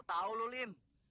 lo tau lu lim